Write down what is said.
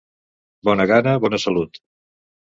Bona gana, bona salut.